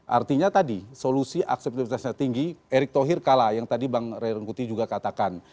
artinya tadi solusi akseptabilitasnya tinggi erick thohir kalah yang tadi bang ray rangkuti juga katakan